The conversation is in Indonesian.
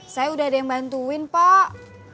saya udah ada yang bantuin pak